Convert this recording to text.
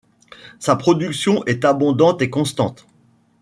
Sa production est abondante et constante.